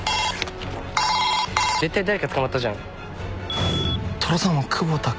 絶対誰か捕まったじゃん。